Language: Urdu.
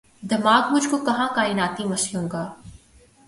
دماغ مجھ کو کہاں کائناتی مسئلوں کا